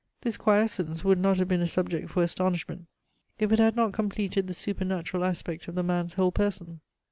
This quiescence would not have been a subject for astonishment if it had not completed the supernatural aspect of the man's whole person.